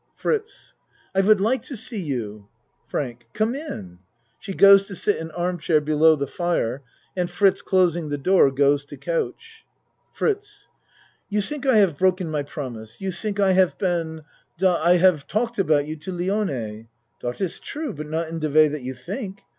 FRITZ I would like to see you. FRANK Come in. (She goes to sit in arm chair below the fire and Fritz closing the door goes to couch.) FRITZ You tink I haf broken my promise? You tink I haf been dot I haf talked about you to Lione. Dot iss true but not in de way that you tink.